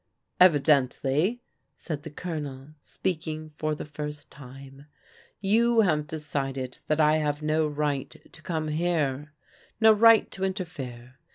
" Evidently," said the Colonel, speaking for the first time, "you have decided that I have no right to come here, no right to interfere.